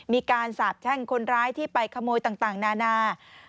มีการสาบแช่งคนร้ายที่ไปขโมยต่างนานา